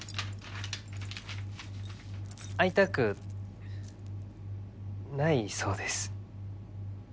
会いたくないそうです。